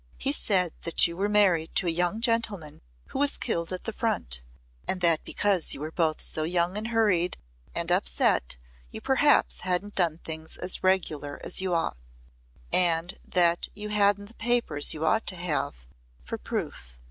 "He said that you were married to a young gentleman who was killed at the Front and that because you were both so young and hurried and upset you perhaps hadn't done things as regular as you thought. And that you hadn't the papers you ought to have for proof.